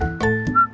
ya udah deh